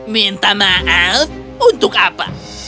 minta maaf untuk apa